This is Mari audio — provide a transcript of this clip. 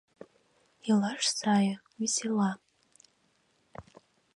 Илаш сае, весела